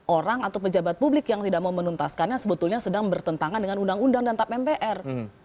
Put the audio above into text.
orang atau pejabat publik yang tidak mau menuntaskannya sebetulnya sedang bertentangan dengan undang undang dan tap mpr